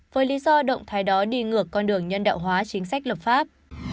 với lý do động thái đó đi ngược con đường nhân đạo hóa chính sách lập pháp